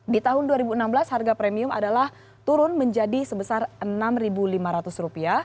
di tahun dua ribu enam belas harga premium adalah turun menjadi sebesar rp enam lima ratus